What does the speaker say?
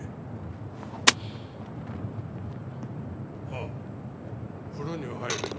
あっ風呂には入るよ。